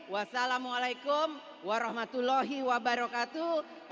wassalamualaikum warahmatullahi wabarakatuh